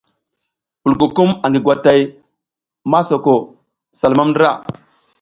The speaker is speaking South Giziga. Wulkukum angi gwatay masoko sa lumam ndra.